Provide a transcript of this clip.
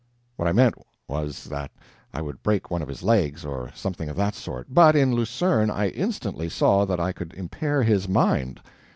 What I meant, was, that I would break one of his legs, or something of that sort; but in Lucerne I instantly saw that I could impair his mind.